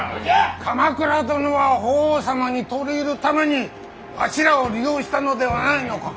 鎌倉殿は法皇様に取り入るためにわしらを利用したのではないのか。